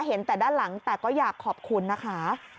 เห็นแต่ด้านหลังแต่ก็อยากขอบคุณนะคะ